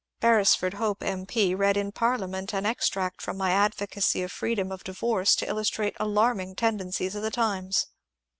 Beresford Hope M. P. read in Parliament an extract from my advocacy of freedom of divorce to illustrate alarming tendencies of the times.